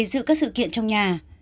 các sự kiện trong nhà